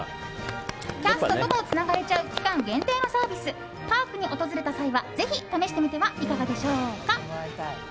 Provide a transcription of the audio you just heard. キャストともつながれちゃう期間限定のサービスパークに訪れた際は、ぜひ試してみてはいかがでしょうか。